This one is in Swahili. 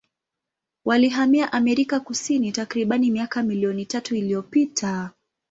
Walihamia Amerika Kusini takribani miaka milioni tatu iliyopita.